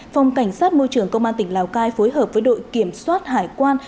phòng cảnh sát môi trường công an tỉnh lào cai phối hợp với đội kiểm soát hải quan